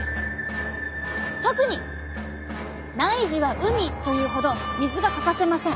特に内耳は海というほど水が欠かせません。